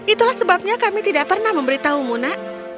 itulah sebabnya kami tidak pernah memberitahu muna